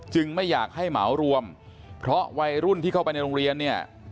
ไม่อยากให้เหมารวมเพราะวัยรุ่นที่เข้าไปในโรงเรียนเนี่ย